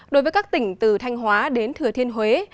đối với các tỉnh từ thanh hóa đến thừa thiên huế